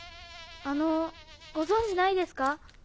あのご存じないですか？